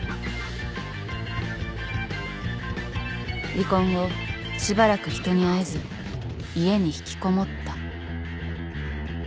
離婚後しばらく人に会えず家に引きこもった。